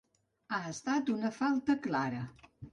Ha estat una falta clara.